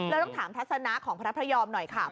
เราลองถามทัศนาของพระพระยอมหน่อยครับ